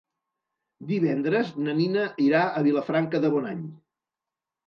Divendres na Nina irà a Vilafranca de Bonany.